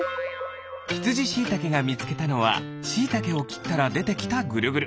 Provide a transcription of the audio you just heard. ひつじしいたけがみつけたのはしいたけをきったらでてきたぐるぐる。